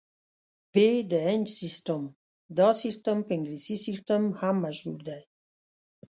ب - د انچ سیسټم: دا سیسټم په انګلیسي سیسټم هم مشهور دی.